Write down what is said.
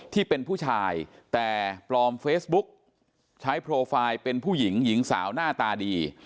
ที่เป็นผู้ชายแต่ปลอมเฟซบุ๊กใช้โปรไฟล์เป็นผู้หญิงหญิงสาวหน้าตาดี